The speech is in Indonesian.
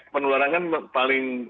penuaran kan paling